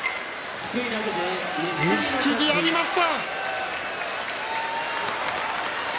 錦木やりました。